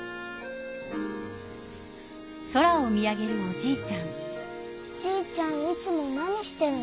じいちゃんいつも何してるの？